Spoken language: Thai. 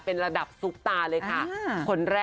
เป็นระดับซุปตาเลยค่ะ